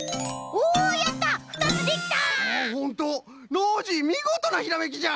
ノージーみごとなひらめきじゃ！